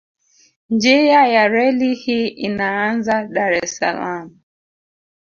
Njia ya reli hii inaanza Dar es Salaam